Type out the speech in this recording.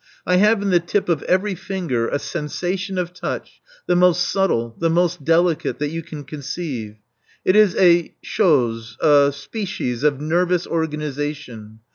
I have in the tip of every finger a sensa tion of touch the most subtle, the most delicate, that you can conceive. It is a — chose — a species of nervous organization.